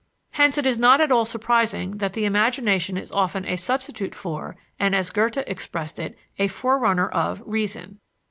Hence it is not at all surprising that the imagination is often a substitute for, and as Goethe expressed it, "a forerunner of," reason.